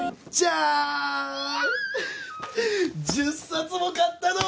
１０冊も買ったど！